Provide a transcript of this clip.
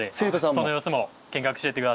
その様子も見学していって下さい。